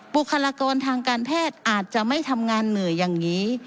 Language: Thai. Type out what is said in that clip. บุคลากรทางการแพทย์อาจจะไม่ทำงานเหนื่อยอย่างนี้